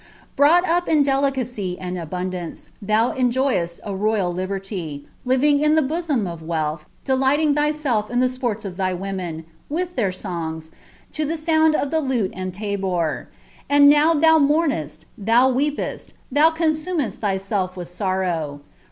Bron^ up in delicacy ami nbuDdaiice, ihou onjoyed« a royal liberty, livine ia the bosom of wealth, delighting thyself with the sports of tiiy noawa, with their snngs, to the sound of the lute and tabor: and now thai moumest, ihoti weepeai, thou consumest thyself with aorrow.